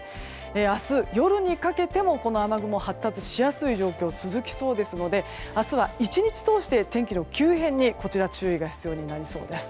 明日、夜にかけてもこの雨雲が発達しやすい状況が続きそうですので明日は１日を通して天気の急変に注意が必要になりそうです。